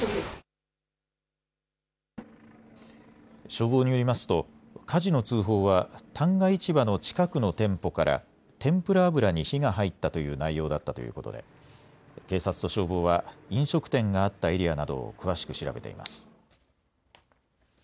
消防によりますと火事の通報は旦過市場の近くの店舗から天ぷら油に火が入ったという内容だったということで警察と消防は飲食店があったエリアなどを詳しく調べています。